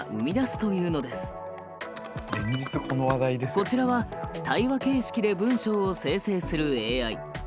こちらは対話形式で文章を生成するＡＩ。